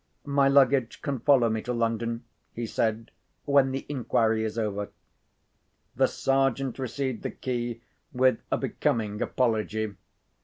"My luggage can follow me to London," he said, "when the inquiry is over." The Sergeant received the key with a becoming apology.